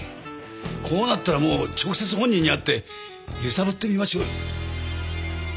こうなったらもう直接本人に会って揺さぶってみましょう。